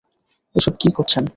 এসব কী করছেন?